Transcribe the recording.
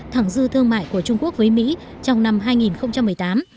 thẳng dư thương mại của trung quốc với mỹ trong năm hai nghìn một mươi tám